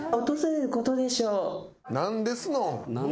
何ですのん。